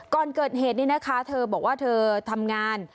ก่อนเกิดเหตุนี้นะคะเธอบอกว่าเธอทำงาน